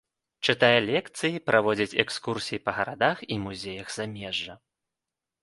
Чытае лекцыі, праводзіць экскурсіі па гарадах і музеях замежжа.